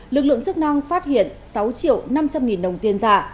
lực lượng chức năng phát hiện sáu triệu năm trăm linh nghìn đồng tiền giả